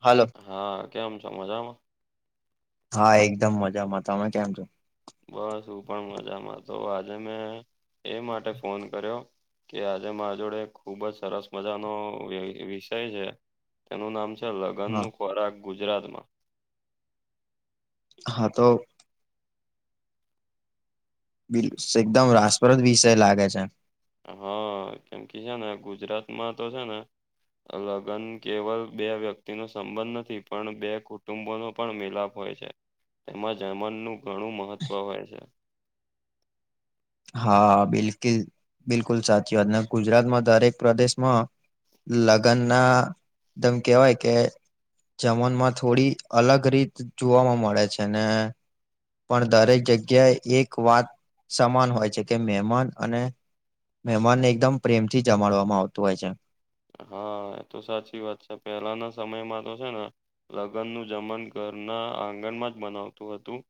હાલો હા, કેમ છો મજામાં. હા એકદમ મજામાં તમે કેમ છો. બસ હું પણ મજામાં, તો આજે મેં એ માટે ફોન કર્યો. કે આજે મારા જોડે ખુબ જ સરસ મજાનો વિષય છે. તેનું નામ છે. લગ્ન હા નું ખોરાક ગુજરાતમાં હા, તો એકદમ રાસપ્રદ વિષય લાગે છે. હા, કેમ કે છે ને ગુજરાતમાં તો છે ને લગ્ન કેવલ બે વ્યક્તિ નો સંબંધ નથી, પણ બે કુટુંબોનો પણ મિલાપ હોય છે તેમાં [unintelligible] ઘણું મહત્વ હોય છે. હા, બિલકુલ બિલકુલ સાચી વાત, ને ગુજરાતમાં દરેક પ્રદેશમાં લગ્ન ના એમ કેવાય કે જમનમાં થોડી અલગ રીત જોવાવામાં મળે છે. ને પણ દરેક જગ્યાએ એક વાત સમાન હોય હોય છે. કે મહેમાન અને મહેમાનને એકદમ પ્રેમથી જમાડવામાં આવતું હોય છે. હા, એ તો સાચી વાત છે,., પેલાના સમયમાં તો છે ને લગ્નનું જમવાનું ઘરના આંગણમાં જ બનાવાતું હતું.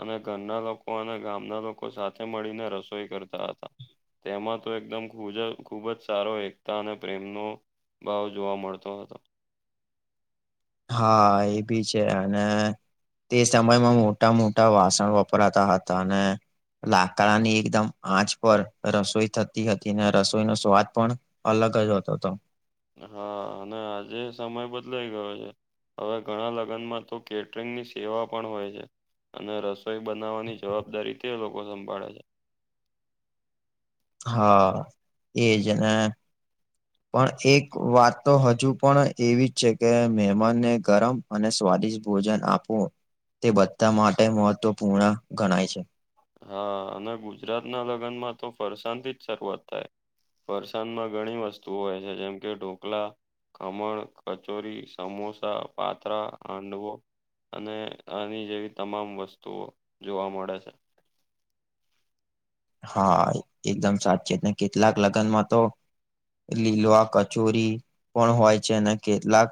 અને ઘરના લોકો અને ગામના લોકો સાથે મળીને રસોઈ કરતા હતા. તેમાં તો એકદમ ખુબ જ સારો એકતા અને પ્રેમ નો ભાવ જોવા મળતો હતો. હા, એ ભી છે અને તે સમયમાં મોટા -મોટા વાસણ વપરાતા હતા અને લાકડા ની એકદમ આંચ પર રસોઈ થતી હતી ને રસોઈ નો સ્વાદ પણ અલગ જ હોતો તો. હા અને આજે સમય બદલાઈ ગયો છે. હવે ઘણા લગ્નમાં તો કેટરિંગની સેવા પણ હોય છે. અને રસોઈ બનાવવાની જવાબદારી તે લોકો સંભાળે છે. હા, એજ અને હ [inaudible] પણ એક વાત તો હજુ પણ એવી જ છે કે મહેમાનને ગરમ અને સ્વાદિષ્ટ ભોજન આપવું તે બધા માટે મહત્વપૂર્ણ ગણાય છે. હા અને ગુજરાત ના લગ્નમાં તો ફરસાણથી જ શરૂઆત થાય. ફરસાણ માં ઘણી વસ્તુઓ હોય છે જેમ કે ઢોકલા, ખમણ, કચોરી, સમોસા, પાત્રા, હાંડવો. અને આની જેવી તમામ વસ્તુઓ જોવા મળે છે. હા, એકદમ સાચે જ ને કેટલાક લગ્નમાં તો લીલવા કચોરી પણ હોય છે અને કેટલાક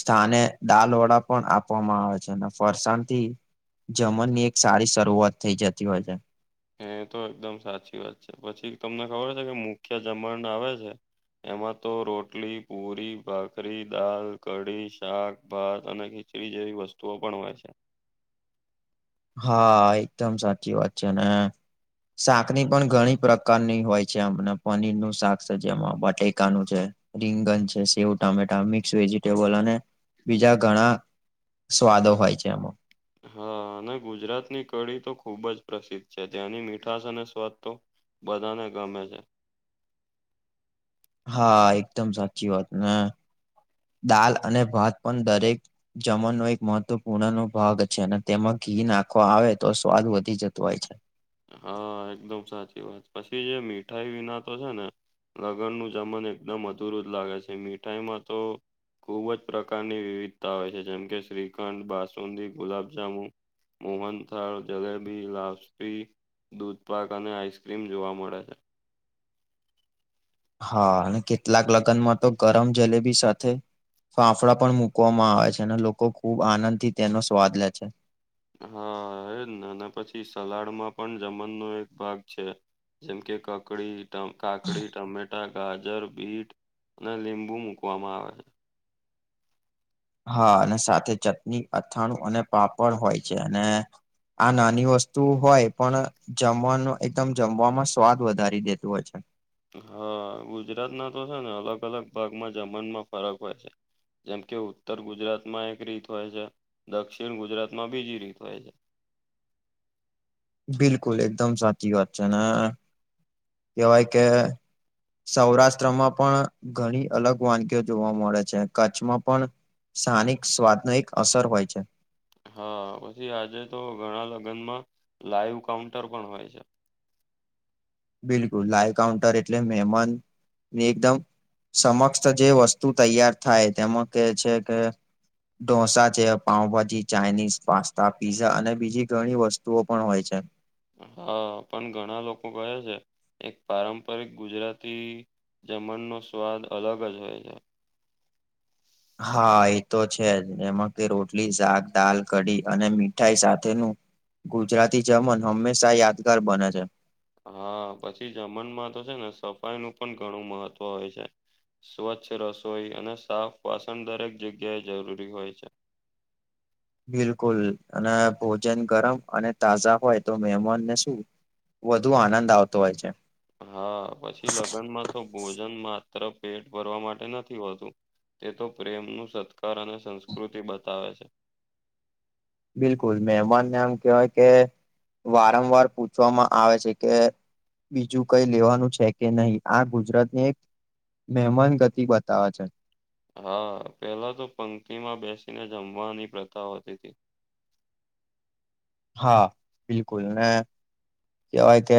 સ્થાને દાલ વડા પણ આપવામાં આવે છે. અને ફરસાણથી જમણ ની એક સારી શરૂઆત થઈ જતી હોય છે. હે તો એકદમ સાચી વાત છે. પછી તમને ખબર છે કે મુખ્ય જમડ આવે છે. એમાં તો રોટલી, પુરી, ભાખરી, દાલ, કઢી, શાક, ભાત અને ખી ખીચડી જેવી વસ્તુઓ પણ હોય છે. હા, એકદમ સાચી વાત છે અને શાક ની પણ ઘણી પ્રકારની હોય છે અમને પનીર નું શાક છે જેમાં બટેકાનું છે. રીંગન છે, સેવ ટામેટા, મિક્સ વેજીિટેબલ, અને બીજા ઘણા સ્વાદો હોય છે આમાં. હ, અને ગુજરાતની કઢી તો ખુબ જ પ્રસિદ્ધ છે ત્યાંની મીઠાશ અને સ્વાદ તો બધાને ગમે છે. હા એકદમ સાચી વાત ને દાલ અને ભાત પણ દરેક જમણનો એક મહત્વ પૂર્ણ નો ભાગ છે અને તેમાં ઘી આવે તો સ્વાદ વધી જતો હોય છે. હા એકદમ સાચી વાત પછી જે મીઠાઈ વિના તો છે ને લગ્નનું જમણ એકદમ અધુરું જ લાગે છે. મીઠાઈમાં તો ખુબ જ પ્રકારની વિવિધતા હોય છે જેમકે શ્રીખંડ, બાસુંદી, ગુલાબજામુ મોહનથળ, જલેબી, લાક્ષપી. દૂધ પાક અને આઈસ્ક્રીમ જોવા મળે છે. હા અને કેટલાક લગ્નમાં તો ગરમ જલેબી સાથે ફાફડા પણ મુકવામાં આવે છે અને લોકો ખુબ આનંદ થી તેનો સ્વાદ લે છે. હા એ અને ના પછી સલાડમાં પણ જમનનો એક ભાગ છે. જેમ કે કકડી, કાકડી, ટમેટા, ગાજર, બીટ અને લીંબુ મૂકવામાં આવે છે. હા અને સાથે ચટણી, અથાણું અને પાપડ હોય અને આ નાની વસ્તુ હોય પણ જમવાનું એકદમ જમવામાં સ્વાદ વધારી દેતું હોય છે. હા ગુજરાતના તો છે ને અલગ અલગ ભાગમાં જમનમાં ફરક હોય છે. જેમ કે ઉત્તર ગુજરાતમાં એક રીત હોય છે દક્ષિણ ગુજરાતમાં બીજી રીત હોય છે. બિલકુલ એકદમ સાચી વાત છે ને કેવાય કે સૌરાષ્ટ્રમાં પણ ઘણી અલગ વાનગીઓ જોવા મળે છે કચ્છમાં પણ સ્થાનિક સ્વાદનો એક અસર હોય છે. હા પછી આજે તો ઘણા લગ્નમાં લાઈવ કાઉન્ટર પણ હોય છે. બિલકુલ લાઇવ કાઉન્ટર એટલે મેમન એકદમ સમક્ષ જે વસ્તુ તૈયાર થાય તેમાં કે છે કે ઢોસા છે પાઉભાજી ચાઇનીઝ પાસ્તા પીઝા અને બીજી ઘણી વસ્તુઓ પણ હોય છે. હા પણ ઘણા લોકો કહે છે એક પારંપરિક ગુજરાતી જમનનો સ્વાદ અલગ જ હોય છે. હા એ તો છે જ એમાં કે રોટલી શાક દાલ કઢી અને મીઠાઈ સાથેનું ગુજરાતી જમન હંમેશા યાદગાર બને છે. હા પછી જમનમાં તો છે ને સફાઈનું પણ ઘણું મહત્વ હોય છે. સ્વચ્છ રસોઈ અને સાફ વાસણ દરેક જગ્યાએ જરૂરી હોય છે. બિલકુલ અને ભોજન ગરમ અને તાજા હોય તો મેહેમાનને શું વધુ આનંદ આવતો હોય છે. હા પછી લગનમાં તો ભોજન માત્ર ભરવા માટે નથી હોતું. તે તો પ્રેમ નું સત્કાર અને સંસ્કૃતિ બતાવે છે. બિલકુલ મહેમાનને એમ કેહેવાય કે વારંવાર પૂછવામાં આવે છે કે બીજું કઈ લેવાનું છે કે નહીં. આ ગુજરાતને એક મહેમાન ગતિ બતાવે છે. હા પેલા તો પંક્તિ માં બેસીને જમવાની પ્રથા હોતી હતી. હા બિલકુલ ને કેવાય કે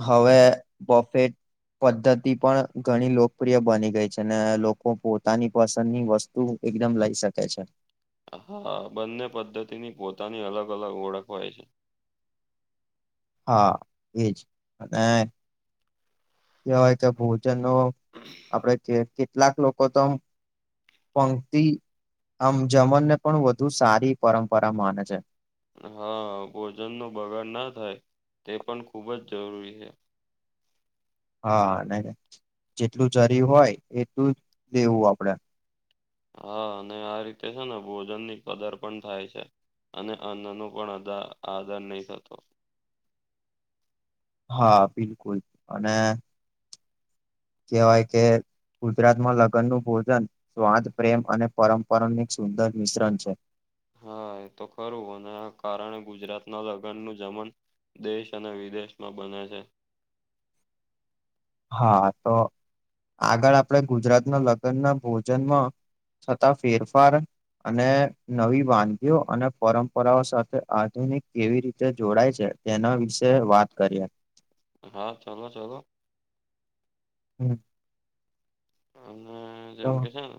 હવે પ્રોફિટ પદ્ધતિ પણ ઘણી લોકપ્રિય બની ગઈ છે. ને લોકો પોતાની પસંદની વસ્તુ તું એકદમ લઈ શકે છે. હા બંને પદ્ધતિની પોતાની અલગ અલગ ઓળખ હોય છે. હા એજ ને કવાય કે બહ જેનો આપડે કેટલાક લોકો તો પંક્તિ આમ જમનને પણ વધુ સારી પરંપરા માને છે. હા ભોજનનો બગાડ ના થાય, તે પણ ખૂબ જ જરૂરી છે. હા, અને જેટલું જરી હોય એટલું જ લેવું આપડે. હા, અને આ રીતે છે ને ભોજન ની કદર પણ થાય છે. અને અન્નનો પણ અદા આદાર નહી થતો. હા, બિલકુલ. અને કહેવાય કે ગુજરાતમાં લગ્ન નું ભોજન સ્વાદ, પ્રેમ અને પરંપરાનું એક સુંદર મિશ્રણ છે. હા એ તો ખરું, અને આ કારણે ગુજરાત ના લગ્નનું જમન દેશ અને વિદેશમાં બને છે. હા, તો આગળ આપણે ગુજરાતના લગ્ન ના ભોજનમાં થતા ફેરફાર અને નવી વાનગીઓ અને પરંપરાઓ સાથે આધુનિક કેવી રીતે જોડાય છે? તેના વિશે વાત કરીએ. હા, ચાલો ચાલો. હમ. અને જેમ તો કે છે ને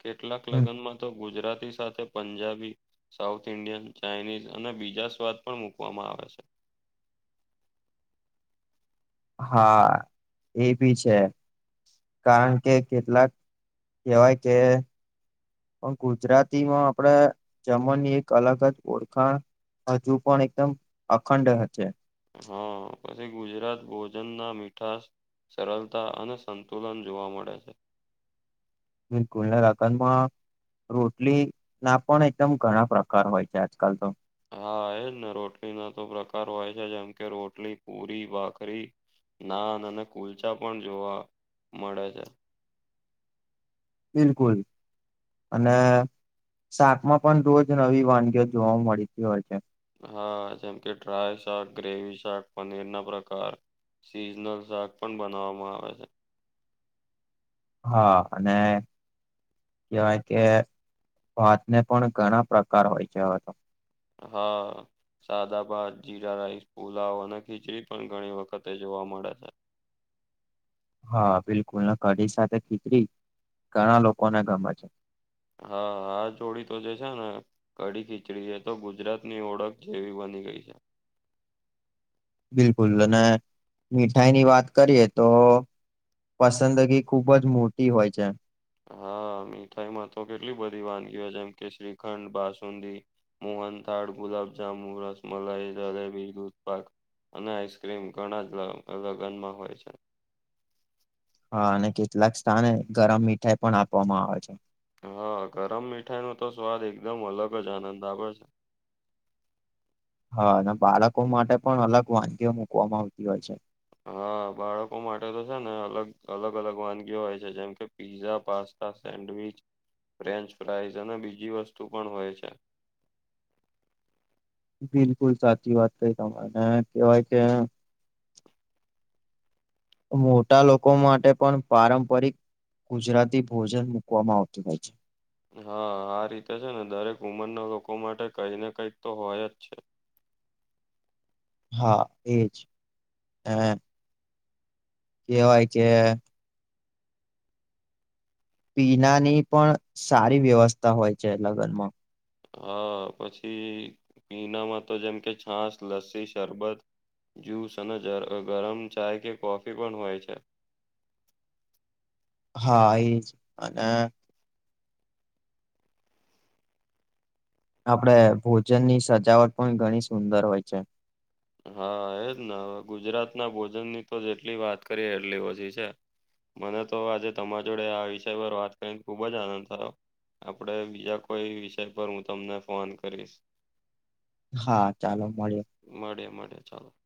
કેટલાક હમ, લગનમાં, તો ગુજરાતી સાથે પંજાબી, સાઉથ ઇન્ડિયન, ચાઇનીઝ અને બીજા સ્વાદ પણ મૂકવામાં આવે છે, હા એ બી છે., કારણ કે કેટલાક કહેવાય કે- પણ ગુજરાતીમાં આપણેે જમવાની એક અલગ જ ઓળખાણ, હજુ પણ એકદમ અખંડ જ છે, હા, પછી ગુજરાત ભોજન ના મીઠાશ, સરળતા અને સંતુલન જોવા મળે છે, બિલકુલ ને રોટલી ના પણ એકદમ ઘણા પ્રકાર હોય છે. આજકાલ તો, હા, એજ ને રોટલી ના તો પ્રકાર હોય છે. જેમ કે રોટલી, પુરી, ભાખરી, નાના નાના કુલચા પણ જોવા મળે છે., બિલકુલ. અને શાકમાં પણ રોજ નવી વાનગીઓ જોવા મળતી હોય છે, હા જેમ કે ડ્રાય શાક, ગ્રેવી શાક, પનીર ના પ્રકાર, સિઝનલ શાક પણ બનાવવામાં આવે છે, હા અને, કવાય કે ભાતને પણ ઘણા પ્રકાર હોય છે, હવે તો., હા સાદા ભાત જીરા રાઈસ પુલાવ અને ખીચડી પણ ઘણી વખતે જોવા મળે છે, હા બિલકુલ કડી સાથે ખીચરી ઘણા લોકોને ગમે છે, હા હા જોડી તો જે છે ને, કડી ખીચડી એ તો ગુજરાત ની ઓળખ જેવી બની ગઈ છે, બિલકુલ અને મીઠાઈ ની વાત કરીએ તો, પસંદગી ખુબ જ મોટી હોય છે., હા મીઠાઈમાં તો કેટલી બધી વાનગીઓ હોય જેમ કે શ્રીખંડ બાસુંદી મોહન થાળ ગુલાબ જામુ રસમલાઈ જલેબી દદૂધપાક, અને આઈસક્રીમ ઘણા જ લગનમાં હોય છે, હા અને કેટલાક સ્થાને ગરમ મીઠાઈ પણ આપવામાં આવે છે હા ગરમ મીઠાઈનો, તો સ્વાદ એકદમ અલગ જ આનંદ આવે છે. હા અને બાળકો માટે પણ અલગ વાનગીઓ મુકવામાં આવતી હોય છે., હા બાળકો માટે તો છે ને અલગ અલગ અલગ વાનગીઓ હોય છે જેમ કે-, pizza pasta sandwich French fries અને બીજી વસ્તુ પણ હોય છે. બિલકુલ સાચી વાત કઈ તમારેને કેવાય કે- મોટા લોકો માટે પણ પારંપરિક ગુજરાતી ભોજન મૂકવામાં આવતું હોય છે., હા આ રીતે છે ને દરેક ઉંમરના લોકો માટે કઈ ને કઈક તો હોય જ છે., હા એજ, કેવાય કે-, પીણાની પણ સારી વ્યવસ્થા હોય છે લગ્નમાં-, હા પછી પીણામાં તો જેમ કે છાસ લસ્સી શરબત-, જ્યુસ અને ગરમ ચાય કે કોફી બનાવાય છે., હા એજ અને, આપડે ભોજન ની સજાવટ પણ ઘણી સુંદર હોય છે,. હા એજ ને હવે ગુજરાત ના ભોજન ની તો જેટલી વાત કરીએ એટલી ઓછી છે. મને તો આજે તમારા જોડે આ વિષય પર વાત કરીને ખુબ જ આનંદ થયો- આપડે બીજા કોઈ વિષય પર હું તમને ફોન કરીશ- હા ચાલો મળ્યો- મળ્યા મળ્યા ચાલો-